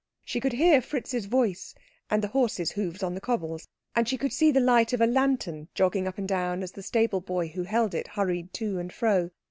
She could hear Fritz's voice, and the horses' hoofs on the cobbles, and she could see the light of a lantern jogging up and down as the stable boy who held it hurried to and fro.